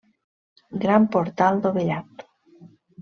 Gran portal dovellat.